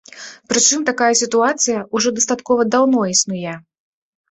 Прычым такая сітуацыя ўжо дастаткова даўно існуе.